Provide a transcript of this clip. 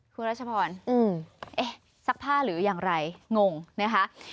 คุณรัชพรซักผ้าหรืออย่างไรงงนะคะ